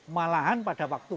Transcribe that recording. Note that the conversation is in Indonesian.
malahan pada waktu